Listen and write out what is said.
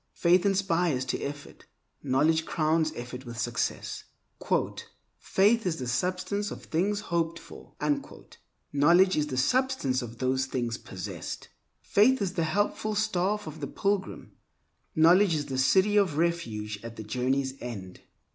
Faith inspires to effort; knowledge crowns effort with success. "Faith is the substance of things hoped for"; knowledge is the substance of those things possessed. Faith is the helpful staff of the pilgrim; knowledge is the City of Refuge at the journey's end.